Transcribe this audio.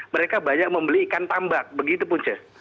mereka banyak membeli ikan tambak begitu punce